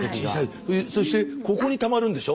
そしてここにたまるんでしょ。